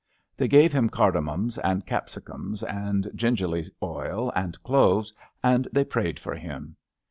'' They gave him cardamoms and capsi cums, and gingelly oil and cloves, and they prayed for him.